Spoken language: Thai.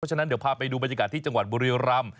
ฉะนั้นเดี๋ยวพาไปดูบรรยากาศที่จังหวัดบุรีรำ